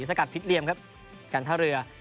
จากการผิดเลี่ยมครับการท่าเรือ